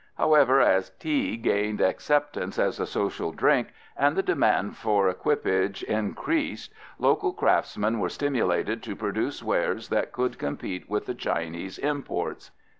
However, as tea gained acceptance as a social drink and the demand for equipage increased, local craftsmen were stimulated to produce wares that could compete with the Chinese imports.